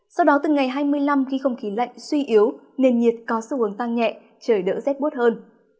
sau đó từ ngày hai mươi năm khi không khí lạnh suy yếu nền nhiệt có xu hướng tăng nhẹ trời đỡ rét bút hơn